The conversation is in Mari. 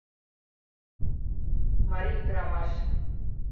Марий ӱдырамаш...